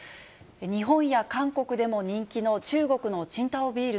日本や韓国でも人気の中国の青島ビール。